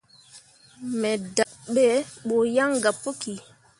Me dahɓɓe buu yan gah puki.